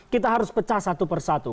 kita harus pecah satu persatu